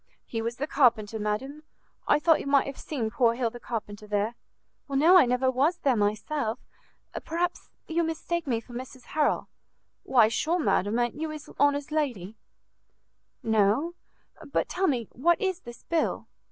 "He was the carpenter, madam. I thought you might have seen poor Hill the carpenter there." "No, I never was there myself. Perhaps you mistake me for Mrs Harrel." "Why, sure, madam, a'n't you his honour's lady?" "No. But tell me, what is this bill?"